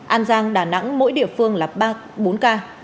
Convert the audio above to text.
an giang đà nẵng mỗi địa phương là ba bốn ca